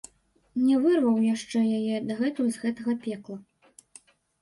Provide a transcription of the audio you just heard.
Не вырваў яшчэ яе дагэтуль з гэтага пекла.